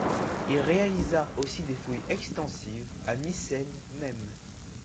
Il réalisa aussi des fouilles extensives à Mycènes même.